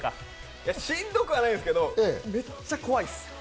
しんどくはないんですけど、めっちゃ怖いです。